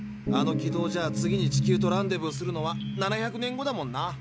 あの軌道じゃ次に地球とランデブーするのは７００年後だもんな。